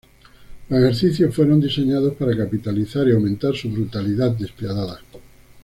Los ejercicios fueron diseñados para capitalizar y aumentar su brutalidad despiadada.